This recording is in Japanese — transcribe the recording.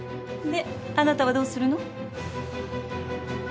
であなたはどうするの？